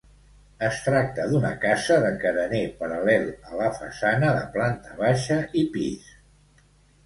Es tracta d'una casa de carener paral·lel a la façana de planta baixa i pis.